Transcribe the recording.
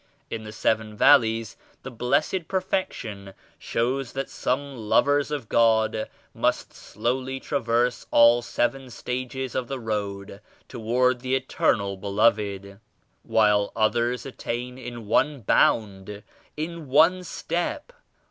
In the 'Seven Valleys' the Blessed Perfection shows that some 84 lovers of God must slowly traverse all seven stages of the road toward the Eternal Beloved, while others attain in one bound, in one step.